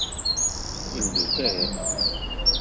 D imdukal?